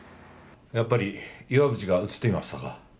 やっぱり岩淵が映っていましたか。